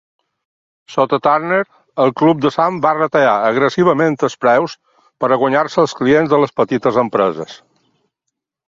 Sota Turner, el Club de Sam va retallar agressivament els preus per a guanyar-se als clients de les petites empreses.